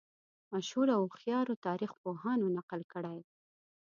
مشهورو او هوښیارو تاریخ پوهانو نقل کړې.